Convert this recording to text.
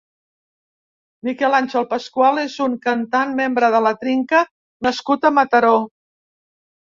Miquel Àngel Pasqual és un cantant, membre de La Trinca nascut a Mataró.